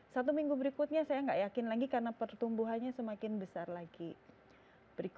satu minggu berikutnya saya nggak yakin lagi karena pertumbuhannya semakin besar lagi